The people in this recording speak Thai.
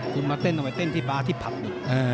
คุณมาเต้นเอาไปเต้นที่บาร์ที่ผับอีก